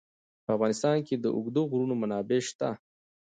په افغانستان کې د اوږده غرونه منابع شته.